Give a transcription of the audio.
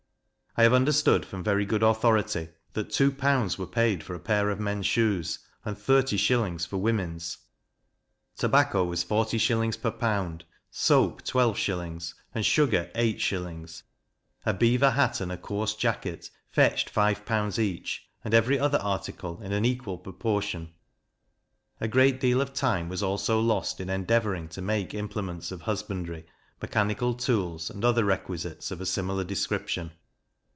I have understood from very good authority, that two pounds were paid for a pair of men's shoes, and thirty shillings for women's; tobacco was forty shillings per lb.; soap twelve shillings, and sugar eight shillings; a beaver hat and a coarse jacket, fetched five pounds each, and every other article in an equal proportion. A great deal of time was also lost in endeavouring to make implements of husbandry, mechanical tools, and other requisites of a similar description.